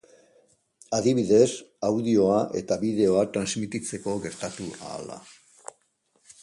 Adibidez, audioa eta bideoa transmititzeko gertatu ahala.